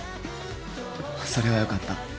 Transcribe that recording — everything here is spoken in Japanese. それはよかった。